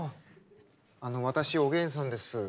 私おげんさんです。